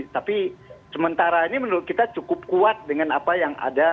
tapi sementara ini menurut kita cukup kuat dengan apa yang ada